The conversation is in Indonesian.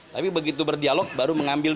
tapi begitu berdialog baru mengambil